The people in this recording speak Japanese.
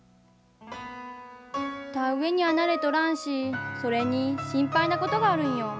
田植えには慣れとらんしそれに心配なことがあるんよ。